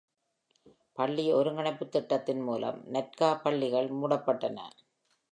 பள்ளி ஒருங்கிணைப்பு திட்டத்தின் மூலம் நற்கா பள்ளிகள் மூடப்பட்டன.